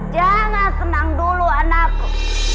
jangan senang dulu anakku